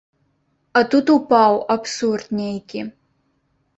А тут упаў, абсурд нейкі.